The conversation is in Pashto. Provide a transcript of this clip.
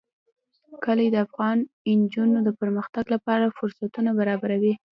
کلي د افغان نجونو د پرمختګ لپاره فرصتونه برابروي.